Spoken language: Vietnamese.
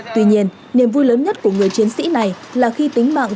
tuy nhiên niềm vui lớn nhất của người chiến sĩ này là khi tính mạng